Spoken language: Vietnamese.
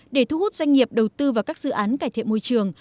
để thu hút doanh nghiệp đầu tư vào các dự án cải thiện môi trường